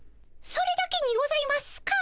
それだけにございますか？